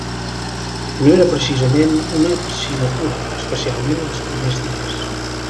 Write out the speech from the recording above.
No era precisament una sinecura, especialment els primers dies.